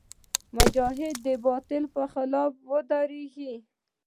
مجاهد د باطل خلاف ودریږي.